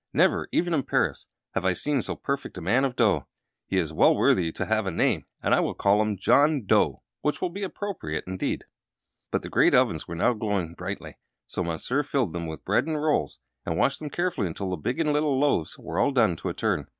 "Never, even in Paris, have I seen so perfect a man of dough. He is well worthy to have a name, and I will call him John Dough, which will be appropriate, indeed!" But the great ovens were now glowing brightly, so Monsieur filled them with bread and rolls, and watched them carefully until the big and little loaves were all done to a turn.